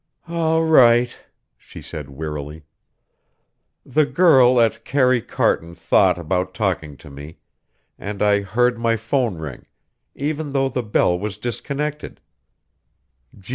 "All right," she said wearily. "The girl at Karry Karton thought about talking to me, and I heard my phone ring, even though the bell was disconnected.